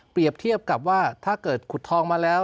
เทียบกับว่าถ้าเกิดขุดทองมาแล้ว